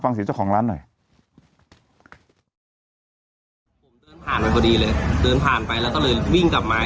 ผ่านไปกว่าดีเลยเดินผ่านไปแล้วก็เลยวิ่งกลับมา